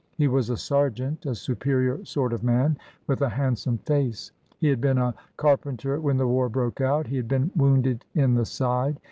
He was a sergeant, a superior sort of man, with a handsome face. He had been a car penter when the war broke out. He had been wounded in the side.